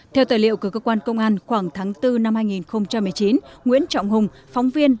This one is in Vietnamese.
theo tài liệu của cơ quan công an khoảng tháng bốn năm hai nghìn một mươi chín nguyễn trọng hùng phóng viên